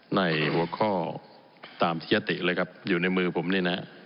ในหัวข้อตามที่ยติเลยครับอยู่ในมือผมนี่นะฮะ